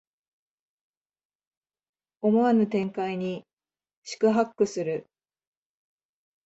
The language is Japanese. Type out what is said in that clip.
思わぬ展開に四苦八苦する